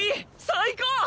最高！